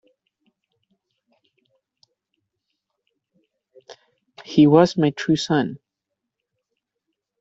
He was my true son.